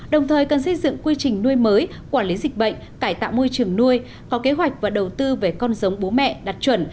đồng thời cần xây dựng quy trình nuôi mới quản lý dịch bệnh cải tạo môi trường nuôi có kế hoạch và đầu tư về con giống bố mẹ đạt chuẩn